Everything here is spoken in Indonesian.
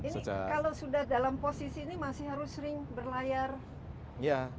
ini kalau sudah dalam posisi ini masih harus sering berlayar